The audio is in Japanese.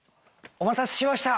お待たせしました！